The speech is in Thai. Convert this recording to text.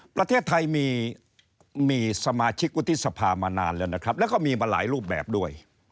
ประเทศไทยมีสมาชิกกุฎิสภามานานแล้วก็มีมาหลายรูปแบบด้วย